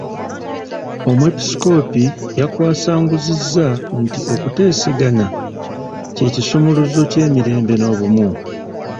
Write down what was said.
Omwepisikoopi yakwasanguzizza nti okuteesagana kye kisumuluzo ky'emirembe n'obumu.